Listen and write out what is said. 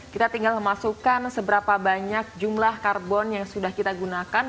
kita tinggal memasukkan seberapa banyak jumlah karbon yang sudah kita gunakan